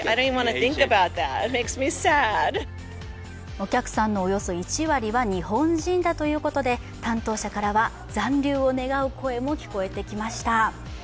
お客さんのおよそ１割は日本人だということで担当者からは、残留を願う声も聞こえてきました。